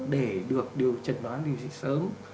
để được trần đoán điều trị sớm